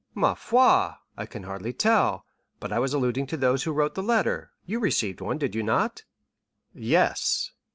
"Ma foi, I can hardly tell, but I was alluding to those who wrote the letter; you received one, did you not?" "Yes."